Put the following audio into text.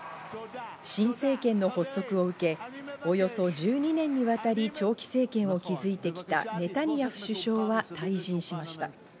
新政権の補足を受け、およそ１２年にわたり長期政権を築いてきたネタニヤフ首相は退陣しました。